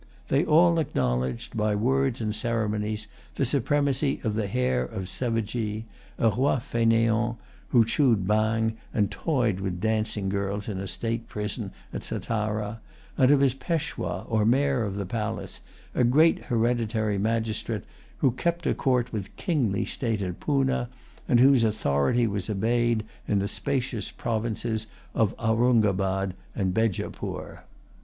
They all acknowledged, by words and ceremonies, the supremacy of the heir of Sevajee, a roi fainéant who chewed bhang and toyed with dancing girls in a state prison at Sattara, and of his Peshwa or mayor of the palace, a great hereditary magistrate, who kept a court with kingly state at Poonah, and whose authority was obeyed in the spacious provinces of Aurungabad and Bejapoor.